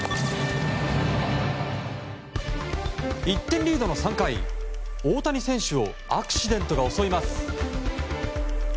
１点リードの３回大谷選手をアクシデントが襲います。